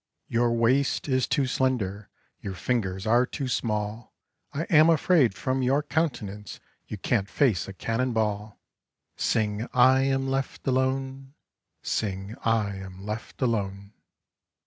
"Your waist is too slender, Your fingers are too small, I am afraid from your countenance You can't face a cannon ball." Sing I am left alone, Sing I am left alone.